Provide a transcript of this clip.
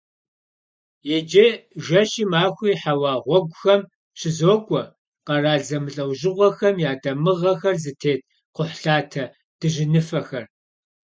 Иджы жэщи махуи хьэуа гъуэгухэм щызокӏуэ къэрал зэмылӏэужьыгъуэхэм я дамыгъэхэр зытет кхъухьлъатэ дыжьыныфэхэр.